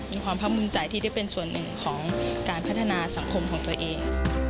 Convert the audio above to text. มีความภาคภูมิใจที่ได้เป็นส่วนหนึ่งของการพัฒนาสังคมของตัวเอง